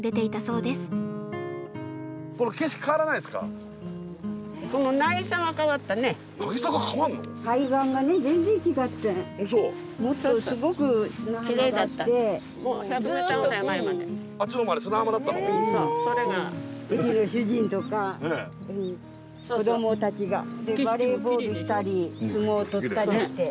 うちの主人とか子どもたちがバレーボールしたり相撲を取ったりして。